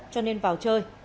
cho nên vào chơi